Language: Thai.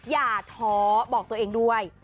อย่าท้อบอกตัวเองด้วย